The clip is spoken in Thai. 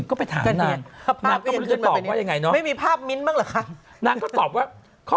ก็นอนสิเถอะ